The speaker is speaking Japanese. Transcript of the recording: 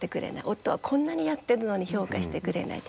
夫はこんなにやってるのに評価してくれない。